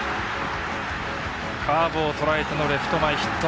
カーブをとらえてのレフト前ヒット。